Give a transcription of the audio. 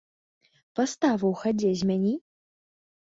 Паставу ў хадзе змяні!